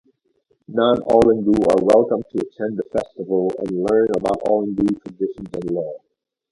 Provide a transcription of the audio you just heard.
Non-Yolngu are welcome to attend the festival and learn about Yolngu traditions and Law.